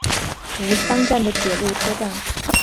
吾桑站的铁路车站。